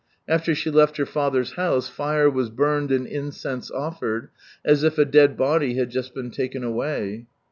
After she left her father's house, fire was burned and incense offered, as if a dead body had just been taken away.